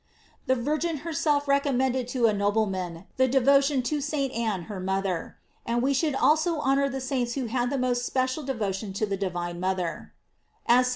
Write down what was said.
The Virgin herself recommended to a nobleman the devotion to St. Ann her mother.]; And we should also honor the saints who had the most epecial devotion to the divine mother, as St. John * Sees.